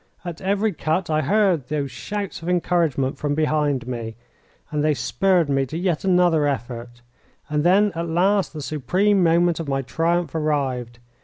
At every cut I heard those shouts of encouragement from behind me, and they spurred me to yet another effort. And then at last the supreme moment of my triumph arrived.